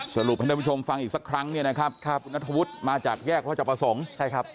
สรุปพี่ผู้ชมฟังอีกสักครั้งคุณนัทธวุฒิมาจากแยกราชประสงค์